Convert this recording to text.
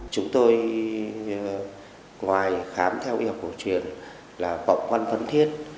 chúng tôi ngoài khám theo y học của truyền là bọc văn phấn thiết